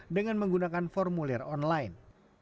dengan menggunakan formulir online